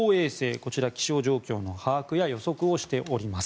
こちら気象状況の把握や予測をしております。